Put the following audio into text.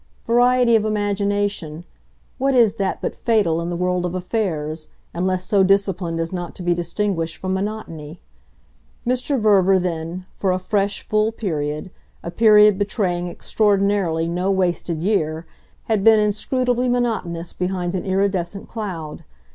Variety of imagination what is that but fatal, in the world of affairs, unless so disciplined as not to be distinguished from monotony? Mr. Verver then, for a fresh, full period, a period betraying, extraordinarily, no wasted year, had been inscrutably monotonous behind an iridescent cloud.